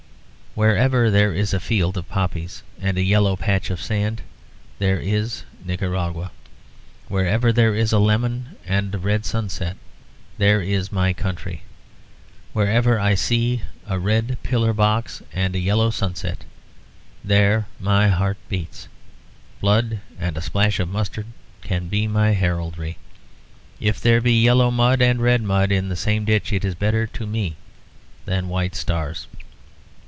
Wherever there is a field of poppies and a yellow patch of sand, there is Nicaragua. Wherever there is a lemon and a red sunset, there is my country. Wherever I see a red pillar box and a yellow sunset, there my heart beats. Blood and a splash of mustard can be my heraldry. If there be yellow mud and red mud in the same ditch, it is better to me than white stars."